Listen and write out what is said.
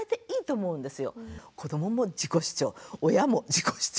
子どもも自己主張親も自己主張。